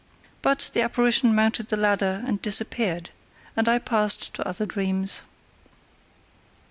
But the apparition mounted the ladder and disappeared, and I passed to other dreams.